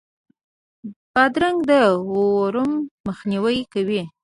بادرنګ د ورم مخنیوی کوي.